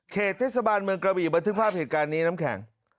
เทศบาลเมืองกระบี่บันทึกภาพเหตุการณ์นี้น้ำแข็ง